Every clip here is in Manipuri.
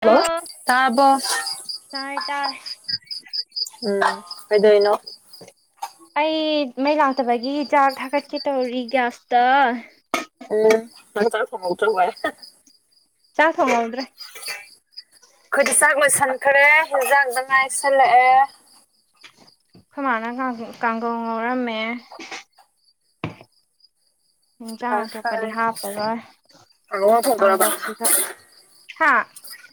ꯍꯜꯂꯣ ꯑ ꯇꯥꯑꯕꯣ꯫ ꯇꯥꯔꯦ ꯇꯥꯔꯦ ꯎꯝ ꯀꯩꯗꫭꯏꯅꫭ ꯑꯩ ꯃꯩ ꯂꯥꯛꯇꯕꯒꯤ ꯆꯥꯛ ꯊꯥꯒꯠꯀꯦ ꯇꯧꯔꯤ ꯒ꯭ꯌꯥꯁꯇ ꯑꯂꯣ ꯅꯪ ꯆꯥꯛ ꯊꫭꯡꯍꯧꯗ꯭ꯔꯕꫭꯏꯋꯦ ꯆꯥꯛ ꯊꫭꯡꯍꯧꯗ꯭ꯔ‌ꯦ꯫ ꯑꯈꯣꯏꯗꯤ ꯆꯥꯛ ꯂꯣꯏꯁꯟꯈ꯭ꯔꯦ ꯍꯦꯟꯖꯥꯡꯗꯪ ꯉꯥꯏꯁꯤꯜꯂꯛꯑꯦ ꯈꫭꯏ ꯃꯥꯅ ꯉꯥꯡꯗꯤ ꯀꯥꯡꯒꯧ ꯉꯧꯔꯝꯃꯦ ꯍꯤꯡꯖꯥꯡ ꯐꯔꯦ ꯑꯇꯣꯞꯄꯗꯤ ꯐꯔꯦ ꯍꯥꯞꯄꯔꯣꯏ ꯀꯥꯡꯉꯧ ꯊꯣꯡꯗꯣꯔꯕ ꯀꯥꯡꯒꯧꯁꯤꯒ ꯍꯥ꯫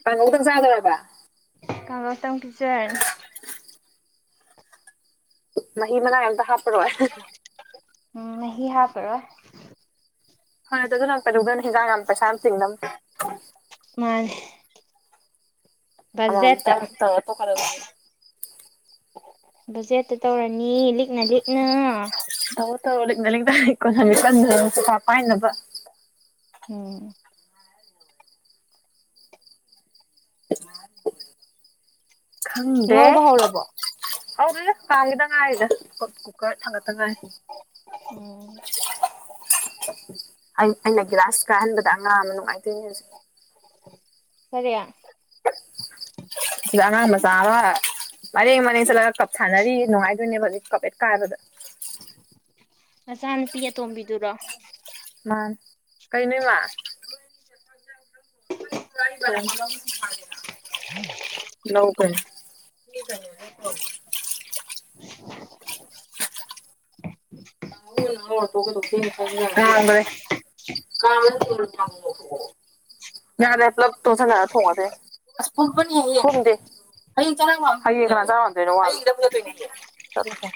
ꯀꯥꯡꯉꯧꯗꯪ ꯆꯥꯗꫭꯔꯕ‌꯫ ꯀꯥꯡꯉꯧꯇꯪ ꯄꯤꯖꯔꯅꯤ꯫ ꯃꯍꯤ ꯃꯅꯥꯏ ꯑꯝꯇ ꯍꯥꯞꯄꯔꯣꯏ ꯎꯝ ꯃꯍꯤ ꯍꯥꯞꯄꯔꯣ ꯍꯗꯒ ꯂꯥꯛꯄꯗꯨꯕꯅ ꯍꯤꯖꯥꯡ ꯌꯥꯝ ꯄꯩꯁꯥꯌꯥꯝꯇꯤꯡꯅꯝꯅꯤ꯫ ꯃꯥꯅꯤ ꯕꯖ‌ꯦꯠꯇ ꯑꯃꯃꯝꯇꯪ ꯇꯧꯔ ꯇꯣꯛꯀꯗꯕꯅꯦ ꯕꯖꯦꯠꯇ ꯇꯧꯔꯅꯤ ꯂꯤꯛꯅ ꯂꯤꯛꯅ ꯇꯧꯑꯣ ꯇꯧꯔꯣ ꯂꯤꯛꯅ ꯂꯤꯛꯅ ꯀꯣꯟꯍꯟꯒꯦ ꯀꯟꯅ ꯄꯩꯁꯥ ꯄꯥꯏꯅꯕ ꯎꯝ ꯈꯪꯗꯦ ꯉꯧꯕ ꯍꯧꯔꯕꯣ ꯑꯧꯉꯥ ꯐꯥꯒꯤꯗ ꯉꯥꯏꯔꯤꯗ ꯀꯨꯛ ꯀꯨꯀꯔ ꯊꯥꯡꯒꯠꯇ ꯉꯥꯏꯔꯤ ꯎꯝ ꯑꯩ ꯑꯩꯅ ꯒꯤꯂꯥꯁ ꯀꯥꯏꯍꯟꯕꯗ ꯑꯉꯥꯡ ꯑꯃ ꯅꯨꯡꯉꯥꯏꯗꯣꯏꯅꯤ ꯍꯧꯖꯤꯛ ꯀꯔꯤ ꯁꯤꯗ ꯑꯉꯥꯡ ꯃꯆꯥ ꯑꯃ ꯃꯔꯦꯡ ꯃꯔꯦꯡ ꯆꯠꯂꯒ ꯀꯞ ꯁꯥꯟꯅꯔꯤ ꯅꯨꯡꯉꯥꯏꯗꯣꯏꯅꯦꯕ ꯍꯖꯤꯛ ꯀꯞ ꯍ‌ꯦꯛ ꯀꯥꯏꯕꯗ ꯅꯆꯥꯅꯨꯄꯤ ꯑꯇꯣꯝꯕꯤꯗꯨꯔꯣ ꯃꯥꯅꯤ ꯀꯩꯅꫭ ꯏꯃꯥ [unintelligible] ꯅꯧ ꯀꯩꯅꫭ [unintelligible] [unintelligible] ꯀꯥꯝꯒꯔꯦ ꯀꯥꯔꯃ ꯊꯨꯅ ꯇꯧ ꯌꯥꯗꯦ ꯄꯨꯂꯞ ꯇꯣꯁꯟꯅꯔ ꯊꯣꯡꯉꯗꯨꯏ ꯑꯁ ꯄꯨꯝꯄꯅꯤ ꯍ‌ꯦ ꯄꯨꯝꯗꯦ ꯍꯌ‌ꯦꯡ ꯆꯔꯥ ꯋꯥꯟ ꯍꯌꯦꯡ ꯀꯅꯥ ꯆꯔꯥꯋꯥꯟꯗꯨꯏꯅ‌ꯣ ꯋꯥꯟ ꯑꯩꯒꯤ ꯂꯕꯨꯆꯇꯨꯢꯅꯦ ꯆꯠꯂꯨꯆꯜ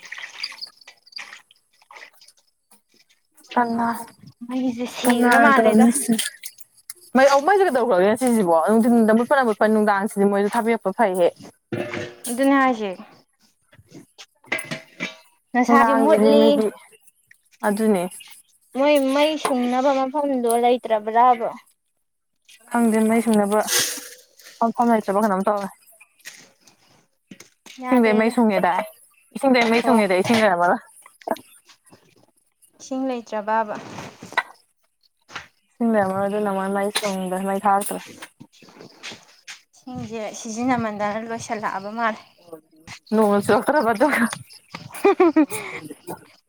ꯀꯟꯅꯥ ꯃꯩꯁꯦ ꯁꯤꯈ꯭ꯔ ꯀꯟꯅꯥꯅ ꯃꯥꯜꯂꯦꯗ ꯇꯧꯔꯝꯃꯤꯁꯤꯟ ꯃꯩ ꯑꯧ ꯃꯩ‌ꯖꯦ ꯀꯩꯗꯧꯒ꯭ꯔꯒꯦ ꯉꯁꯤꯖꯤꯕꯣ ꯅꯨꯡꯗꯤꯟꯗ ꯃꯠꯄꯅ ꯃꯨꯠꯄ ꯅꯨꯡꯗꯥꯡꯁꯤꯗꯤ ꯃꯣꯏꯖꯨ ꯊꯥꯕꯤꯔꯛꯄ ꯐꯩꯍꯦ ꯑꯗꯨꯅꯦ ꯍꯥꯏꯖꯦ ꯉꯁꯥꯏꯁꯨ ꯅꯨꯡꯗꯥꯡꯖꯤꯗꯤ ꯃꯨꯠꯂꯤ ꯃꯤꯗꯤ ꯑꯗꯨꯅꯦ ꯃꯣꯏ ꯃꯩ ꯁꯨꯡꯅꯕ ꯃꯐꯝꯗꯣ ꯂꯩꯇ꯭ꯔꯕ꯭ꯔꯕ ꯈꯪꯗꯦ ꯃꯩ ꯁꯨꯡꯅꯕ ꯃꯐꯝ ꯂꯩꯇꯔꯕ ꯀꯩꯅꯣꯝ ꯇꯧꯋꯦ ꯏꯁꯤꯡꯗꯩ ꯃꯩ ꯌꯥꯗ꯭ꯔꯦꯗ ꯁꯨꯡꯉꯦꯗꯥꯏ ꯏꯁꯤꯡꯗꯩ ꯃꯩ ꯍꯣꯏ ꯁꯨꯡꯉꯦꯗꯥꯢ ꯏꯁꯤꯡ ꯂꯩꯔꯝꯃꯔꯣꯏ ꯏꯁꯤꯡ ꯂꯩꯇ꯭ꯔꯕꯥꯕ ꯏꯁꯤꯡ ꯂꯩꯔꯝꯃꯔꯣꯏ ꯑꯗꯨꯅ ꯃꯣꯏ ꯁꯨꯡꯗ꯭ꯔꯦ ꯃꯩ ꯊꯥꯔꯛꯇ꯭ꯔꯦ ꯏꯁꯤꯡꯁꯦ ꯁꯤꯖꯤꯟꯅꯃꯟꯗꯅ ꯂꯣꯏꯁꯤꯜꯂꯛꯑꯕ ꯃꯥꯜꯂꯦ ꯅꯣꯡꯒ ꯆꯨꯔꯛꯇ꯭ꯔꯕ ꯑꯗꯨꯒ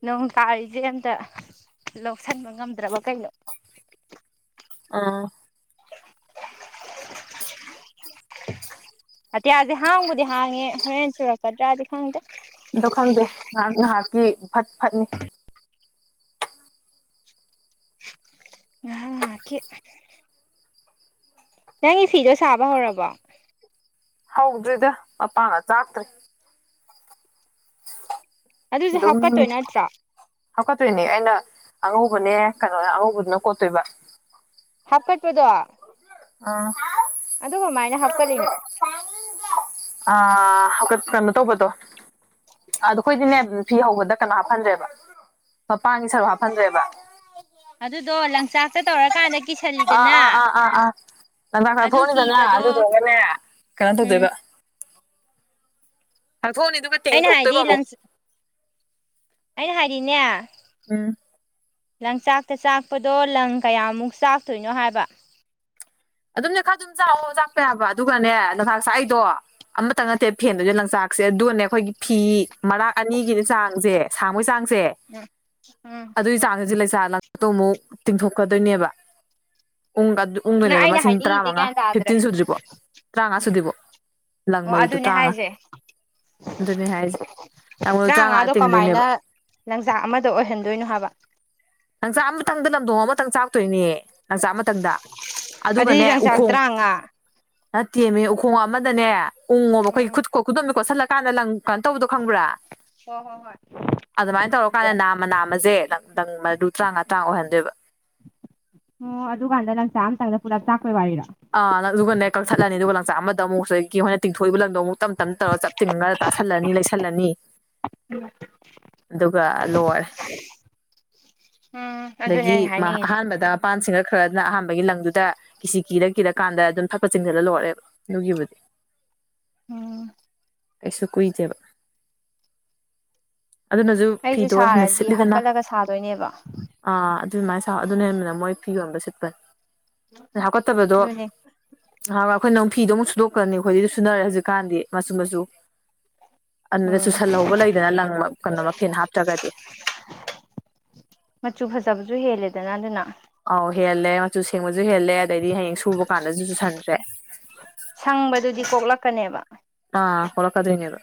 ꯅꯣꯡ ꯇꯥꯔꯤꯁꯦ ꯑꯝꯇ ꯂꯧꯁꯟꯕ ꯉꯝꯗ꯭ꯔꯕ ꯀꯩꯅꯣ ꯑꯥ ꯑꯇꯤꯌꯥꯁꯦ ꯍꯥꯡꯕꯨꯗꯤ ꯍꯥꯡꯉꯦ ꯍꯣꯔꯦꯟ ꯆꯨꯔꯛꯀꯗ꯭ꯔꯥꯗꯤ ꯈꯪꯗꯦ ꯑꯗꯣ ꯈꯪꯗꯦ ꯉꯍꯥꯛ ꯉꯍꯥꯛꯀꯤ ꯐꯠ ꯐꯠꯅꯤ ꯉꯍꯥꯛꯀꯤ ꯅꯪꯒꯤ ꯐꯤꯗꯣ ꯁꯥꯕ ꯍꯧꯔꯕꯣ ꯍꯧꯗ꯭ꯔꯤꯗ ꯃꯄꯥꯡꯒ ꯆꯥꯛꯇ꯭ꯔꯤ ꯑꯗꯨꯁꯨ ꯑꯗꯨꯝ ꯍꯥꯞꯀꯠꯇꯣꯏ ꯅꯠꯇ꯭ꯔꯣ ꯍꯥꯞꯀꯠꯇꯣꯏꯅꯦ ꯑꯩꯅ ꯑꯉꯧꯕꯅꯦ ꯀꯩꯅꯣꯅꯦ ꯑꯉꯧꯕꯗꯨꯅ ꯀꯣꯠꯇꯣꯏꯕ ꯍꯥꯞꯀꯠꯄꯗꯣ ꯑꯥ ꯑꯗꯨ ꯀꯃꯥꯏꯅ ꯍꯥꯞꯀꯠꯂꯤꯅꯣ ꯑꯥ ꯍꯥꯞꯀꯠ ꯀꯩꯅꯣ ꯇꯧꯕꯗꯣ ꯑꯗꯣ ꯑꯩꯈꯣꯏꯗꯤꯅꯦ ꯐꯤ ꯍꯧꯕꯗ ꯀꯩꯅꯣ ꯍꯥꯞꯐꯟꯗ꯭ꯔꯦꯕ ꯃꯄꯥꯟꯒꯤ ꯁꯔꯨꯛ ꯍꯥꯞꯐꯟꯗ꯭ꯔꯦꯕ ꯑꯗꯨꯗꯣ ꯂꯪꯆꯥꯛꯇ ꯇꯧꯔꯀꯥꯟꯗ ꯑꯥ ꯀꯤꯁꯜꯂꯤꯗꯅ ꯑꯥ ꯑꯥ ꯑꯥ ꯑꯥ ꯂꯪꯇꯥꯛ ꯑꯗꯨ ꯇꯥꯛꯊꯣꯛꯑꯅꯤꯗꯅ ꯀꯤꯕꯗꯣ ꯑꯗꯨꯗꯨꯒꯅꯦ ꯀꯩꯅꯣ ꯎꯝ ꯇꯧꯗꯣꯏꯕ ꯊꯣꯛꯑꯅꯤ ꯑꯗꯨꯒ ꯑꯩꯅ ꯍꯥꯏꯗꯤ ꯇꯤꯡꯊꯣꯛꯇꯣꯏꯕ ꯑꯃꯨꯛ ꯂꯪꯆꯥꯛ ꯑꯩꯅ ꯍꯥꯏꯗꯤꯅꯦ ꯎꯝ ꯂꯪꯆꯥꯛꯇ ꯆꯥꯛꯄꯗꯣ ꯂꯪ ꯀꯌꯥꯃꯨꯛ ꯆꯥꯛꯇꯣꯏꯅꯣ ꯍꯥꯏꯕ ꯑꯗꯨꯝꯅꯦ ꯈꯔ ꯑꯗꯨꯝ ꯆꯥꯛꯑꯣ ꯆꯥꯛꯄ ꯌꯥꯕ ꯑꯗꯨꯒꯅꯦ ꯂꯪꯆꯥꯛ ꯆꯥꯛꯏꯗꯣ ꯑꯃꯇꯪ ꯅꯠꯇꯦ ꯐꯦꯟꯗꯨꯏꯁꯦ ꯂꯪꯆꯥꯛꯁꯦ ꯑꯗꯨꯒꯅꯦ ꯑꯩꯈꯣꯏꯒꯤ ꯐꯤ ꯃꯔꯥꯛ ꯑꯅꯤꯒꯤꯅꯦ ꯆꯥꯡꯁꯦ ꯁꯥꯡꯕꯒꯤ ꯆꯥꯡꯁꯦ ꯎꯝ ꯎꯝ [unintelligible] ꯑꯃꯨꯛ ꯇꯤꯡꯊꯣꯛꯈ꯭ꯔꯗꯣꯏꯅꯦꯕ ꯎꯪꯒ ꯅꯪ ꯎꯨꯟꯗꯣꯏꯅꯦꯕ ꯑꯩꯅ ꯃꯁꯤꯡ ꯍꯥꯏꯅꯤꯡꯉꯤꯁꯦ ꯇꯔꯥꯃꯉꯥ ꯒ꯭ꯌꯥꯟ ꯇꯥꯗ꯭ꯔꯦ ꯐꯤꯐꯇꯤꯟ ꯁꯨꯗ꯭ꯔꯤꯕꯧ ꯇ꯭ꯔꯥꯉꯥ ꯁꯨꯗ꯭ꯔꯤꯕꯧ ꯂꯪ ꯑꯣ ꯃꯔꯨꯗꯨ ꯑꯗꯨꯅꯦ ꯇ꯭ꯔꯥꯉꯥ ꯍꯥꯏꯁꯦ ꯑꯗꯨꯅꯦ ꯍꯥꯏꯁꯦ ꯇꯔꯥꯃꯉꯥ ꯇ꯭ꯔꯥꯉꯥꯗꯣ ꯀꯃꯥꯏꯅ ꯇꯤꯡꯗꯣꯏꯅꯦꯕ ꯂꯟꯆꯥꯛ ꯑꯃꯗ ꯑꯣꯏꯍꯟꯗꯣꯏꯅꯣ ꯍꯥꯏꯕ ꯂꯪꯆꯥꯛ ꯑꯃꯇꯪꯗ ꯂꯝꯗꯣꯡ ꯑꯃꯇꯪ ꯆꯥꯛꯇꯣꯏꯅꯦ ꯂꯪꯆꯥꯛ ꯑꯃꯇꯪꯗ ꯑꯗꯨꯒꯅꯦ ꯑꯗꯨꯗꯤ ꯂꯪꯆꯥꯛ ꯎꯈꯣꯡ ꯇꯔꯥꯃꯉꯥ ꯅꯠꯇꯦꯝꯃꯤ ꯎꯈꯣꯡ ꯑꯃꯗꯅꯦ ꯎꯡꯉꯣꯕ ꯑꯩꯈꯣꯏ ꯎꯝ ꯈꯨꯠ ꯀꯣ ꯈꯨꯗꯨꯝꯅ ꯀꯣꯠꯁꯤꯜꯂꯀꯥꯟꯗ ꯂꯪ ꯀꯩꯅꯣ ꯇꯧꯕꯗꯣ ꯈꯪꯕ꯭ꯔꯥ ꯍꯣ ꯍꯣ ꯍꯣꯏ ꯑꯗꯨꯃꯥꯏꯅ ꯇꯧꯔꯀꯥꯟꯗ ꯅꯥꯃ ꯅꯥꯝꯃꯁꯦ ꯂꯪꯗꯡ ꯃꯔꯨ ꯇ꯭ꯔꯥꯉ ꯇ꯭ꯔꯥꯉ ꯑꯣꯏꯍꯟꯗꯣꯏꯕ ꯑꯣ ꯑꯗꯨ ꯀꯥꯟꯗ ꯂꯪꯆꯥꯛ ꯑꯝꯇꯪꯗ ꯄꯨꯂꯞ ꯆꯥꯛꯄꯩ ꯋꯥꯔꯤꯔꯣ ꯑꯥ ꯑꯗꯨꯒꯅꯦ ꯀꯛꯊꯠꯂꯅꯤ ꯑꯗꯨꯒ ꯂꯪꯆꯥꯛ ꯑꯃꯗ ꯑꯃꯨꯛ ꯍꯧꯖꯤꯛꯀꯤ ꯑꯩꯈꯣꯏꯅ ꯇꯤꯡꯊꯣꯛꯏꯕ ꯂꯪꯗꯣ ꯑꯃꯨꯛ ꯇꯞ ꯇꯞꯅ ꯇꯧꯔ ꯆꯞ ꯇꯤꯡꯉꯒ ꯇꯥꯁꯜꯂꯅꯤ ꯂꯩꯁꯜꯂꯅꯤ ꯑꯗꯨꯒ ꯂꯣꯏꯔꯦ ꯎꯝ ꯑꯗꯨꯅꯦ ꯑꯗꯒꯤ ꯑꯩꯅ ꯍꯥꯏꯅꯤꯡꯉꯤꯁꯦ ꯑꯍꯥꯟꯕꯗ ꯃꯄꯥꯟ ꯁꯤꯡꯒꯠꯈ꯭ꯔꯗꯔꯥ ꯑꯍꯥꯟꯕꯒꯤ ꯂꯪꯗꯨꯗ ꯀꯤꯁꯤ ꯀꯤꯔ ꯀꯤꯔꯀꯥꯟꯗ ꯑꯗꯨꯝ ꯐꯠ ꯐꯠ ꯆꯤꯡꯁꯤꯜꯂ ꯂꯣꯏꯔꯦ ꯑꯗꯨꯒꯤꯕꯨꯗꯤ ꯎꯝ ꯀꯩꯁꯨ ꯀꯨꯏꯗꯦꯕ ꯑꯗꯨꯅꯁꯨ ꯑꯩꯁꯨ ꯐꯤꯗꯣ ꯍꯦꯟꯅ ꯁꯥꯔꯗꯤ ꯁꯤꯠꯂꯤꯗꯅ ꯍꯥꯞꯀꯠꯂꯒ ꯁꯥꯗꯣꯏꯅꯦꯕ ꯑꯥ ꯑꯗꯨꯃꯥꯏꯅ ꯁꯥꯎ ꯑꯗꯨꯅ ꯍꯦꯟꯅ ꯃꯣꯏ ꯐꯤ ꯌꯣꯟꯕ ꯁꯤꯠꯄꯅꯦ ꯍꯥꯞꯀꯠꯇꯕꯗꯣ ꯑꯗꯨꯅꯦ ꯅꯍꯥꯟꯋꯥꯏ ꯑꯩꯈꯣꯏꯅꯃꯨꯛ ꯐꯤꯗꯣ ꯑꯃꯨꯛ ꯁꯨꯗꯣꯛꯈ꯭ꯔꯅꯤ ꯑꯩꯈꯣꯏꯗꯤ ꯁꯨꯅꯔꯦ ꯍꯧꯖꯤꯛꯀꯥꯟꯗꯤ ꯃꯆꯨ ꯃꯆꯨ ꯑꯗꯨꯗ ꯎꯝ ꯆꯨꯁꯜꯍꯧꯕ ꯂꯩꯗꯅ ꯂꯪ ꯀꯩꯅꯣ ꯃꯐꯦꯟ ꯍꯥꯞꯇ꯭ꯔꯒꯗꯤ ꯃꯆꯨ ꯐꯖꯕꯁꯨ ꯍꯦꯜꯂꯦꯗꯅ ꯑꯗꯨꯅ ꯑꯧ ꯍꯦꯜꯂꯦ ꯃꯆꯨ ꯁꯦꯡꯕꯁꯨ ꯍꯦꯜꯂꯦ ꯑꯗꯩꯗꯤ ꯍꯌꯦꯡ ꯁꯨꯕ ꯀꯥꯟꯗꯁꯨ ꯆꯨꯁꯟꯗ꯭ꯔꯦ ꯁꯪꯕꯗꯨꯗꯤ ꯀꯣꯛꯂꯛꯀꯅꯦꯕ ꯑꯥ ꯀꯣꯛꯂꯛꯒꯗꯨꯢꯅꯦꯕ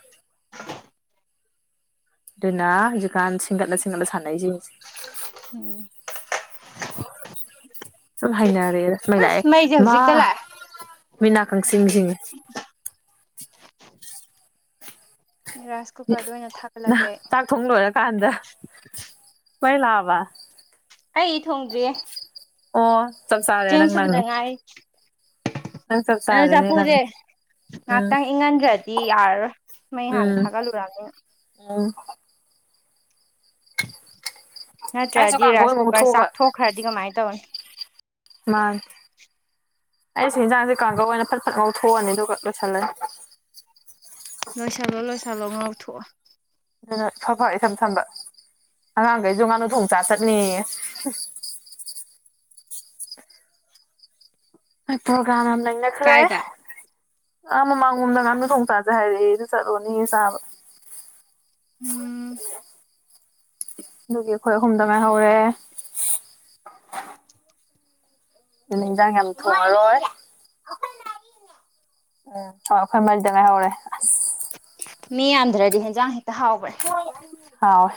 ꯑꯗꯨꯅꯥ ꯍꯧꯖꯤꯛꯀꯥꯟ ꯁꯤꯡꯒꯠꯂ ꯁꯤꯡꯒꯠꯂ ꯁꯥꯟꯅꯩꯁꯤꯡꯁꯦ ꯎꯝ [inaudible] ꯁꯨꯝ ꯍꯥꯏꯅꯔꯦ ꯃꯩ ꯂꯥꯛꯑꯦ ꯑꯁ ꯃꯩꯁꯦ ꯃꯥ ꯍꯧꯖꯤꯛꯇ ꯂꯥꯛꯑꯦ ꯃꯤꯠꯅꯥ ꯈꯪꯁꯤꯡ ꯁꯤꯡꯏ ꯔꯥꯏꯁ ꯀꯨꯀꯔꯗ ꯑꯣꯏꯅ ꯊꯥꯒꯠꯂꯒꯦ ꯀꯥꯟꯗ ꯃꯩ ꯂꯥꯛꯑꯕ ꯑꯩ ꯊꯣꯡꯗ꯭ꯔꯤꯌꯦ ꯑꯣ ꯆꯞ ꯆꯥꯔꯦ ꯆꯦꯡ ꯅꯪ ꯁꯨꯕꯗ ꯅꯪꯉꯦ ꯅꯪ ꯆꯞ ꯑꯣ ꯆꯥꯔꯦꯅꯦ ꯅꯪ ꯆꯐꯨꯁꯦ ꯎꯝ ꯉꯥꯏꯍꯥꯛꯇꯪ ꯏꯪꯍꯟꯗ꯭ꯔꯗꯤ ꯌꯥꯔꯔꯣꯏ ꯃꯩ ꯍꯥꯟꯅ ꯎꯝ ꯊꯥꯒꯠꯂꯨꯔꯕꯅꯤꯅ ꯎꯝ ꯑꯩꯁꯨ ꯅꯠꯇ꯭ꯔꯗꯤ ꯀꯥꯡꯈꯧ ꯔꯥꯏꯁ ꯑꯃꯨꯛ ꯀꯨꯀꯔ ꯊꯣꯛꯑꯒ ꯆꯥꯛꯊꯣꯛꯈ꯭ꯔꯗꯤ ꯀꯃꯥꯏꯅ ꯇꯧꯅꯤ ꯃꯥꯅꯦ ꯑꯩꯁꯨ ꯌꯦꯟꯖꯥꯡꯁꯦ ꯀꯥꯡꯉꯧ ꯑꯣꯏꯅ ꯐꯠ ꯐꯠ ꯉꯧꯊꯣꯛꯑꯅꯤ ꯑꯗꯨꯒ ꯂꯣꯏꯁꯜꯂꯅꯤ ꯂꯣꯏꯁꯤꯜꯂꯣ ꯂꯣꯏꯁꯤꯜꯂꯣ ꯉꯥꯎꯊꯣꯛꯑꯣ ꯑꯗꯨꯅ ꯐꯠ ꯐꯠ ꯁꯥꯝꯕ ꯑꯉꯥꯡꯈꯩꯁꯨ ꯉꯥꯅꯨ ꯊꯣꯡ ꯆꯥꯥ ꯆꯠꯅꯤꯌꯦ ꯄ꯭ꯔꯣꯒꯔꯥꯝ ꯌꯥꯝ ꯂꯩꯅꯈ꯭ꯔꯦ ꯀꯥꯏꯗ ꯑꯥ ꯃꯃꯥꯡꯂꯣꯝꯗ ꯉꯥꯅꯨ ꯊꯣꯡ ꯆꯥꯖꯦ ꯍꯥꯏꯔꯛꯑꯦ ꯑꯗꯨ ꯆꯠꯂꯨꯅꯤꯌꯦ ꯆꯥꯕ ꯎꯝ ꯑꯗꯨꯒꯤ ꯑꯩꯈꯣꯏ ꯍꯨꯝꯗ ꯉꯥꯏ ꯍꯧꯔꯦ ꯑꯗꯨꯅ ꯏꯟꯖꯥꯡ ꯌꯥꯝ ꯊꯣꯡꯉꯔꯣꯏ ꯎꯝ ꯍꯣꯏ ꯑꯩꯈꯣꯏ ꯃꯔꯤꯗ ꯉꯥꯏ ꯍꯧꯔꯦ ꯃꯤ ꯌꯥꯝꯗ꯭ꯔꯗꯤ ꯍꯦꯟꯖꯥꯡ ꯍꯦꯛꯇ ꯍꯥꯎꯕꯅꯦ ꯍꯥꯎꯋꯦ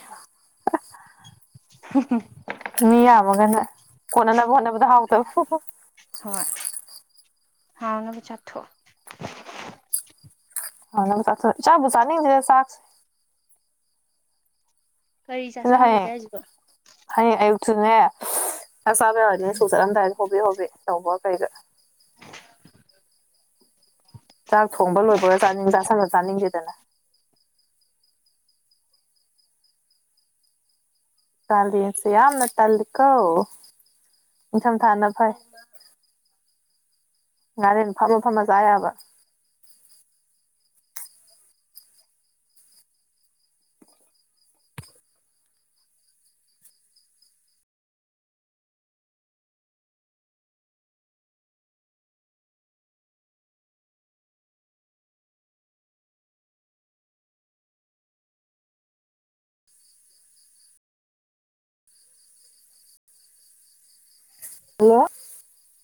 ꯍ [unintelligible] ꯃꯤ ꯌꯥꯝꯃꯒꯅ ꯀꯣꯠꯅꯅꯕ ꯍꯣꯠꯅꯕꯗ ꯍꯥꯎꯇꯕ ꯍꯣꯏ ꯍꯥꯎꯅꯕ ꯆꯥꯊꯣꯛꯑꯣ [unintelligible] ꯆꯥꯕꯨ ꯆꯥꯅꯤꯡꯗꯦꯗ ꯆꯥꯛ ꯒꯥꯔꯤ ꯁꯤꯅ ꯆꯥꯥꯁꯜꯂꯨꯔꯒꯦ ꯍꯌꯦꯡ ꯍꯥꯏꯁꯤꯕꯣ ꯍꯌꯦꯡ ꯑꯌꯨꯛꯁꯨꯅꯦ ꯅꯆꯥꯥꯁꯤꯡꯅ ꯁ꯭ꯀꯨꯜ ꯆꯠꯂꯝꯗꯥꯏꯗ ꯍꯣꯕꯤ ꯍꯣꯕꯤ ꯇꯧꯕ ꯀꯩꯗꯥ ꯆꯥꯛ ꯊꯣꯡꯕ ꯂꯣꯏꯕꯒ ꯆꯥꯅꯤꯡ ꯆꯥꯁꯤꯜꯂꯒ ꯆꯥꯅꯤꯡꯗꯦꯗꯅ ꯀꯥꯂꯦꯟꯁꯦ ꯌꯥꯝꯅ ꯇꯜꯂꯤꯀꯣ ꯅꯤꯡꯊꯝꯊꯥꯅ ꯐꯩ ꯉꯥꯔꯦꯟ ꯐꯝꯃ ꯐꯝꯃ ꯆꯥ ꯌꯕꯥ ꯍꯜꯂꯣ